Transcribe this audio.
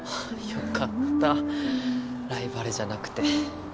よかったライバルじゃなくて。